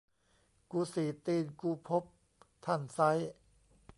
กูสี่ตีนกูพบ ท่านไซร้